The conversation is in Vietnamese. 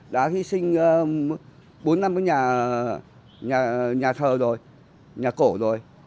đã hy sinh bốn năm với nhà thờ rồi nhà cổ rồi